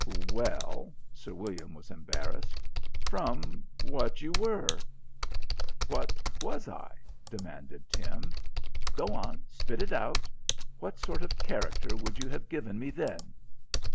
"Well " Sir William was embarrassed. "From what you were." "What was I?" demanded Tim. "Go on, spit it out. What sort of character would you have given me then?"